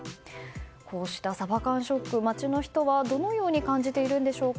こうしたサバ缶ショック街の人はどのように感じているんでしょうか。